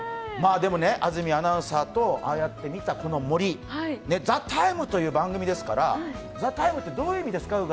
安住アナウンサーとああやって見たあの森「ＴＨＥＴＩＭＥ，」という番組ですから、「ＴＨＥＴＩＭＥ，」ってどういう意味ですか？